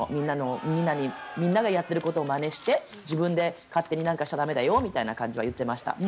みんながやっていることをまねして自分で勝手に何かしちゃ駄目だよとは言っていました。